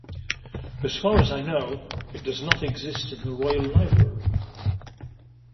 As far as I know, it does not exist in the Royal Library.